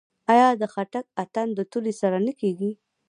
آیا د خټک اتن د تورې سره نه کیږي؟